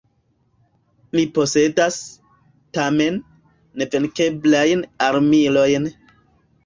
Ni posedas, tamen, nevenkeblajn armilojn.